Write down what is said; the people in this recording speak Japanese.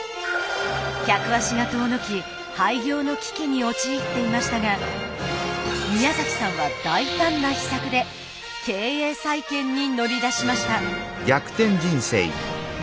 客足が遠のき廃業の危機に陥っていましたが宮さんは大胆な秘策で経営再建に乗り出しました。